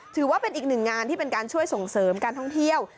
ถือว่าเป็นอีกหนึ่งงานที่เป็นการช่วยส่งเสริมการท่องเที่ยว